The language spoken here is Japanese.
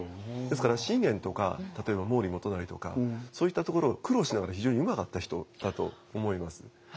ですから信玄とか例えば毛利元就とかそういったところを苦労しながら非常にうまかった人だと思います。